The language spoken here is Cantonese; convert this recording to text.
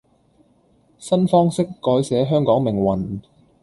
新方式改寫香港命運